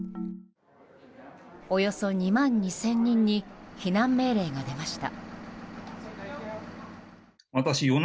およそ２万２０００人に避難命令が出ました。